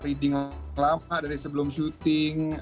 udah dating lama dari sebelum syuting